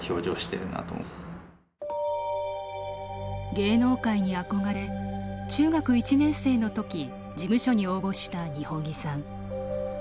芸能界に憧れ、中学１年のとき事務所に応募した二本樹さん。